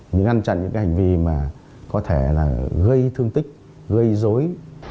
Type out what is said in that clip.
ngăn chặn những hành vi mà có thể là gây thương tích gây dối